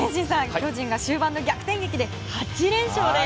巨人が終盤で逆転劇で８連勝です。